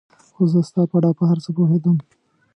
خو زه ستا په اړه په هر څه پوهېدم.